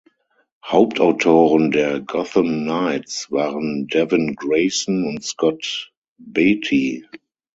Hauptautoren der Gotham Knights waren Devin Grayson und Scott Beatty.